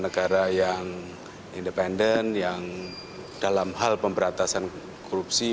negara yang independen yang dalam hal pemberantasan korupsi